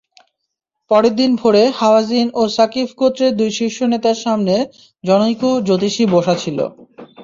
পরদিন ভোরে হাওয়াযিন এবং ছাকীফ গোত্রের দু শীর্ষ নেতার সামনে জনৈক জ্যোতিষী বসা ছিল।